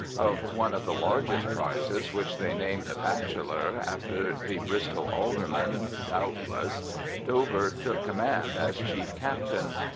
Of one of the largest prizes, which they named the Bachelor, after the Bristol Alderman doubtless, Dover took com mand as chief captain.